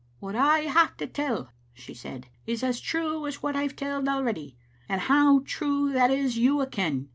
"What I have to tell," she said, "is as true as what I've telled already, and how true that is you a' ken.